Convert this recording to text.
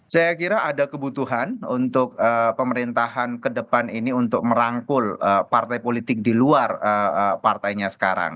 saya kira ada kebutuhan untuk pemerintahan ke depan ini untuk merangkul partai politik di luar partainya sekarang